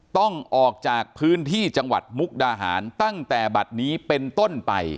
ต้องออกจากพื้นที่จังหวัดมุกดาหารตั้งแต่บัตรนี้เป็นต้นไป